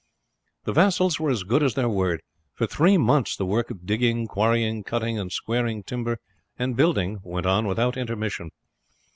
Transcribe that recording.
The vassals were as good as their word. For three months the work of digging, quarrying, cutting, and squaring timber and building went on without intermission.